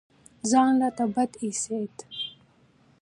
ځان راته بد اېسېد.